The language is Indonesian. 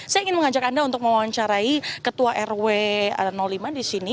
saya ingin mengajak anda untuk mewawancarai ketua rw lima di sini